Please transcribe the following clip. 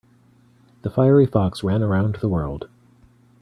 The fiery fox ran around the world.